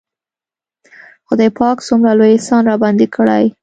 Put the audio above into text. خداى پاک څومره لوى احسان راباندې کړى.